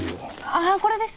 ああこれです！